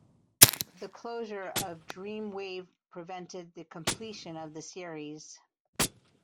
The closure of Dreamwave prevented the completion of the series.